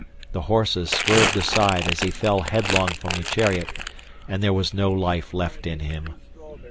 The horses swerved aside as he fell headlong from the chariot, and there was no life left in him.